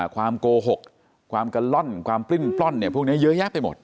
โกหกความกะล่อนความปลิ้นปล้นพวกนี้เยอะแยะไปหมด